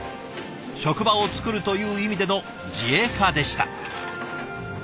「職場を創る」という意味での自営化でした。